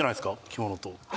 着物と。